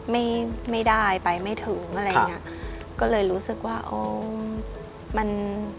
ไม่ได้ไปไม่ถึงอะไรอย่างเงี้ยก็เลยรู้สึกว่าโอ้มัน